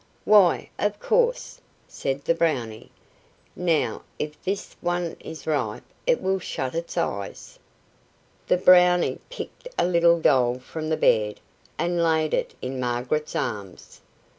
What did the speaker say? "Why, of course," said the Brownie. "Now if this one is ripe it will shut its eyes." The Brownie picked a little doll from the bed and laid it in Margaret's arms.